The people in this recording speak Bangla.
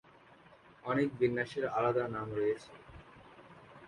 অনেক বিন্যাসের আলাদা নাম রয়েছে।